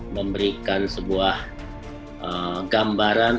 memberikan sebuah gambaran